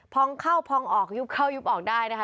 พองเข้าพองออกยุบเข้ายุบออกได้นะคะ